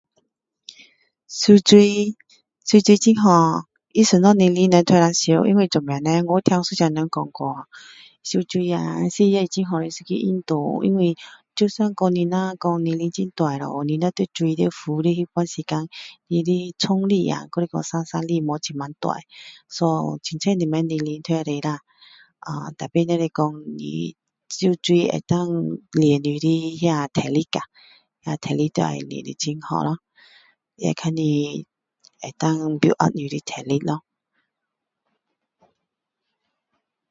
游戏游戏很好他什么年龄的人都可以游戏因为做么叻我有听一个人讲过游戏啊也是一个很好的运动因为就算讲你若讲你若在水里面浮的那个时间他的冲力啊还是说杀伤力没有那么大so随便什么年龄都可以啦呃tapi只是说游戏能够练你的体力啊那体力就要很好咯也让你可以build up你的体力咯